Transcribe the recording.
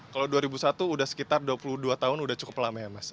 kalau dua ribu satu udah sekitar dua puluh dua tahun udah cukup lama ya mas